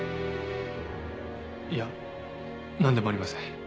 いやなんでもありません。